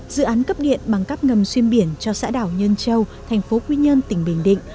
dự án cấp điện bằng cắp ngầm xuyên biển cho xã đảo nhân châu thành phố quy nhơn tỉnh bình định